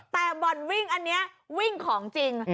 แต่บ่อนวิ่งอันนี้วิ่งของจริง